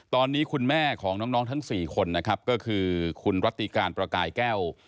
ตอนนี้คุณแม่ของน้องทั้ง๔คนนะครับก็คือคุณรัติการประกายแก้ว